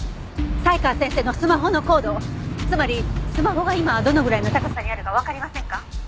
才川先生のスマホの高度つまりスマホが今どのぐらいの高さにあるかわかりませんか？